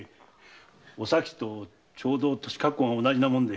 お咲とちょうど年格好が同じなもんで。